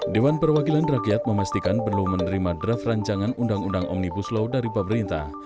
dewan perwakilan rakyat memastikan belum menerima draft rancangan undang undang omnibus law dari pemerintah